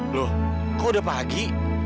loh kok udah pagi